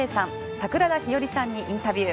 桜田ひよりさんにインタビュー。